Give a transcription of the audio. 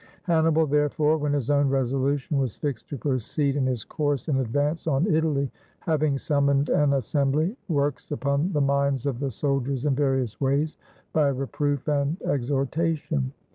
Hannibal, therefore, when his own resolution was fiixed to proceed in his course in advance on Italy, hav ing summoned an assembly, works upon the minds of the soldiers in various ways, by reproof and exhortation.